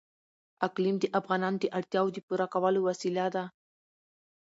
اقلیم د افغانانو د اړتیاوو د پوره کولو وسیله ده.